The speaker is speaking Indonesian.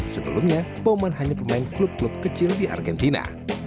sebelumnya bauman hanya pemain klub klub kecil di argentina